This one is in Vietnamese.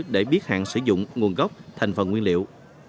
để biết hạn sử dụng nguồn gốc thành phần nguyên liệu